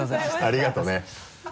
ありがとね。